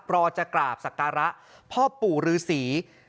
ปราวจะกราบสักการะพ่อปู่รือศรี